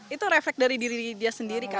itu refleks dari diri dia sendiri kan